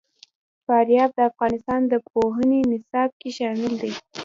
فاریاب د افغانستان د پوهنې نصاب کې شامل دي.